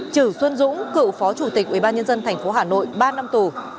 trừ xuân dũng cựu phó chủ tịch ubnd tp hà nội ba năm tù